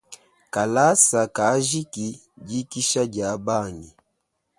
Kalasa kajiki, dikisha dia bangi.